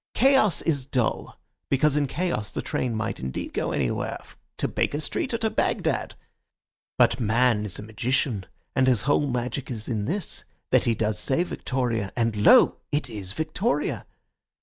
Chaos is dull; because in chaos the train might indeed go anywhere, to Baker Street or to Bagdad. But man is a magician, and his whole magic is in this, that he does say Victoria, and lo! it is Victoria.